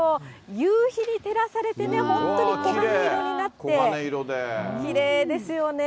夕日に照らされてね、本当に黄金色になって、きれいですよね。